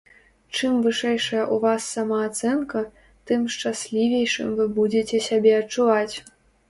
Чым вышэйшая ў вас самаацэнка, тым шчаслівейшым вы будзеце сябе адчуваць.